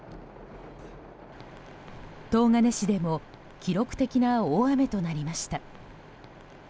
東金市でも記録的な大雨となりました。